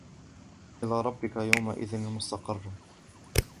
إِلَى رَبِّكَ يَوْمَئِذٍ الْمُسْتَقَرُّ